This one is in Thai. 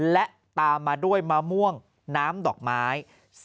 และตามมาด้วยมะม่วงน้ำดอกไม้